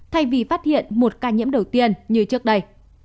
thay vì phát hiện một ca nhiễm đầu tiên như trước đây